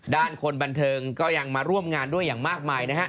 คนบันเทิงก็ยังมาร่วมงานด้วยอย่างมากมายนะฮะ